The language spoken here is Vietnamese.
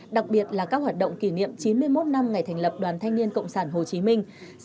đặc biệt là các hoạt động kỷ niệm chín mươi một năm ngày thành lập đoàn thanh niên cộng sản hồ chí minh